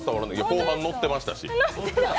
後半、ノッてましたし。